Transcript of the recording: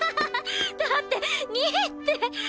だって２位って！